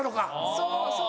そうそう。